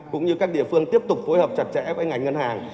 cũng như các địa phương tiếp tục phối hợp chặt chẽ với ngành ngân hàng